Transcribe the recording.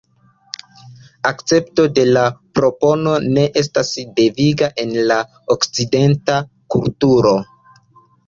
Akcepto de la propono ne estas deviga en la okcidenta kulturo.